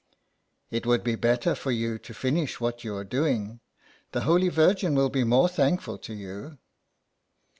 '' It would be better for you to finish what you are doing ; the Holy Virgin will be more thankful to you."